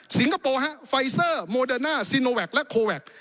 คโปร์ฮะไฟเซอร์โมเดอร์น่าซีโนแวคและโคแวค